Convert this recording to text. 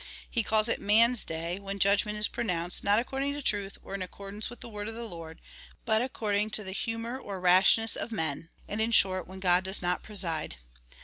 He calls it mans day^ when judgment is pronounced, not accord ing to truth, or in accordance with the word of the Lord, but according to the humour or rashness of men,* and in short, when God does not preside.